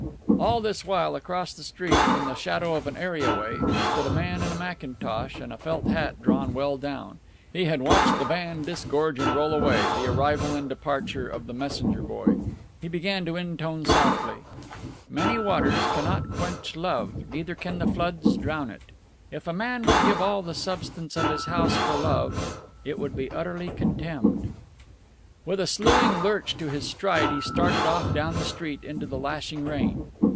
All this while, across the street, in the shadow of an areaway, stood a man in a mackintosh and a felt hat drawn well down. He had watched the van disgorge and roll away, the arrival and the departure of the messenger boy. He began to intone softly: "'Many waters cannot quench love, neither can the floods drown it: if a man would give all the substance of his house for love, it would utterly be contemned.'" With a sluing lurch to his stride he started off down the street, into the lashing rain.